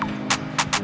eh kejadian yang sama aja